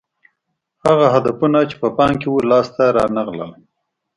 هغه هدفونه چې په پام کې وو لاس ته رانه غلل